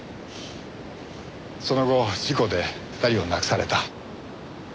その後事故で２人を亡くされた。